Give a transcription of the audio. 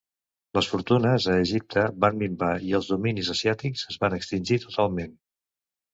Les fortunes a Egipte van minvar i els dominis asiàtics es van extingir totalment.